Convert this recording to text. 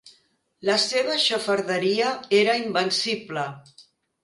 La seva xafarderia era invencible.